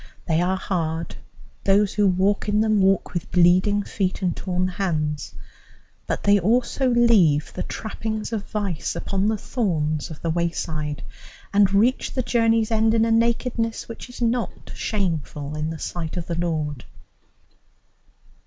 They are hard; those who walk in them walk with bleeding feet and torn hands, but they also leave the trappings of vice upon the thorns of the wayside, and reach the journey's end in a nakedness which is not shameful in the sight of the Lord.